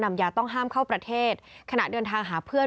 ยาต้องห้ามเข้าประเทศขณะเดินทางหาเพื่อน